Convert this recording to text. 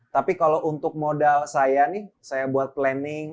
tapi kalau untuk modal saya nih saya buat planning